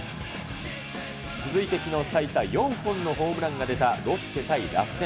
続いてきのう、最多４本のホームランが出た、ロッテ対楽天。